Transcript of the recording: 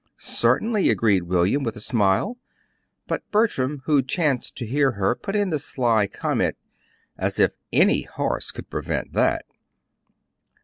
"Certainly," agreed William, with a smile; but Bertram, who chanced to hear her, put in the sly comment: "As if ANY horse could prevent that!"